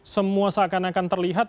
semua seakan akan terlihat